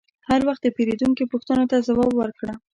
هر وخت د پیرودونکي پوښتنو ته ځواب ورکړه.